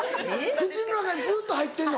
口の中にずっと入ってるの？